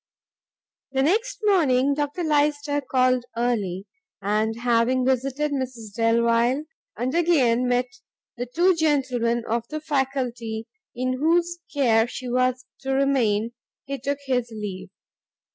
The next morning Dr Lyster called early, and having visited Mrs Delvile, and again met the two gentlemen of the faculty in whose care she was to remain, he took his leave.